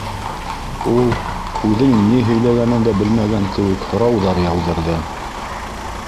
— Ул, үҙенең ни һөйләгәнен дә белмәгән кеүек, һорауҙар яуҙырҙы.